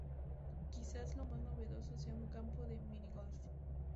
Quizás lo más novedoso sea su campo de minigolf.